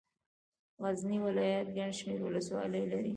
غزني ولايت ګڼ شمېر ولسوالۍ لري.